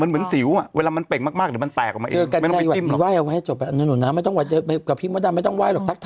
เหมือนสิวเวลามันเป่งมากเดี๋ยวมันแตกออกมาเอง